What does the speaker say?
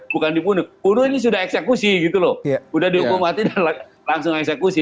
bunuh ini sudah eksekusi sudah dihukum mati dan langsung eksekusi